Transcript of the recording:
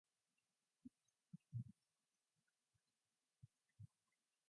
"Navy Times" is published by Regent Companies' Sightline Media Group.